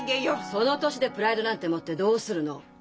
その年でプライドなんて持ってどうするの？